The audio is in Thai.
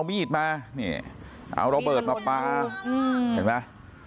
ผู้หญิงบอกเนี่ยไปเอามีดมาเอาระเบิดมาปลา